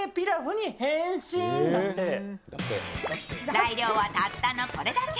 材料は、たったのこれだけ。